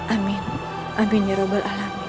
amin amin ya rabbal alamin